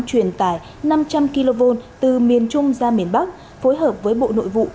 truyền tải năm trăm linh kv từ miền trung ra miền bắc phối hợp với bộ nội vụ